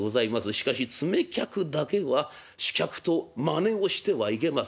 しかし詰め客だけは主客とまねをしてはいけません。